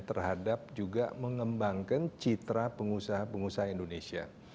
terhadap juga mengembangkan citra pengusaha pengusaha indonesia